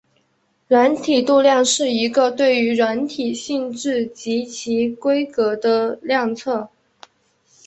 软体度量是一个对于软体性质及其规格的量测。